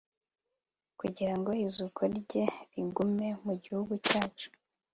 kugira ngo ikuzo rye rigume mu gihugu cyacu